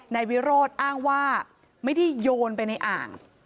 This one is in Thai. นายวิโรธอ้างว่าไม่ได้โยนไปในอ่าง